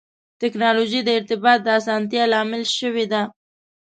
ټکنالوجي د ارتباط د اسانتیا لامل شوې ده.